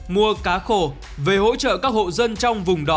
mua cá khổ về hỗ trợ các hộ dân trong vùng đỏ